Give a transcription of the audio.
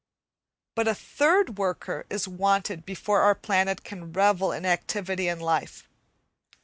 But a third worker is wanted before our planet can revel in activity and life.